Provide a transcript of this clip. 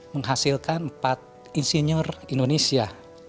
menghasilkan empat insinyur indonesia